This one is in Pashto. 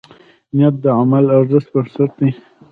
نیت د عمل د ارزښت بنسټ دی.